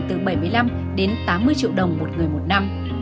từ bảy mươi năm đến tám mươi triệu đồng một người một năm